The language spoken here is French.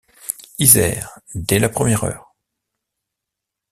Isère, dès la première heure.